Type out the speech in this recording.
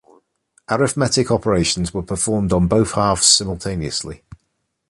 Arithmetic operations were performed on both halves simultaneously.